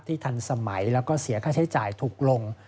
ทันสมัยแล้วก็เสียค่าใช้จ่ายถูกลง